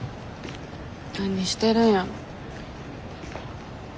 何してるんやろ。